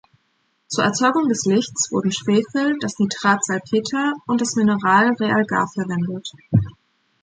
Zur Erzeugung des Lichts wurden Schwefel, das Nitrat Salpeter und das Mineral Realgar verwendet.